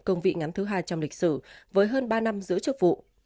cương vị ngắn thứ hai trong lịch sử với hơn ba năm giữ chức vụ